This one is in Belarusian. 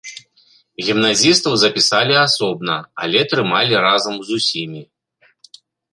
Гімназістаў запісалі асобна, але трымалі разам з усімі.